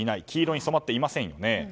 黄色に染まっていません。